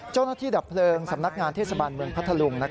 เจ้าหน้าที่ดับเพลิงสำนักงานเทศบาลเมืองพัทธาลุง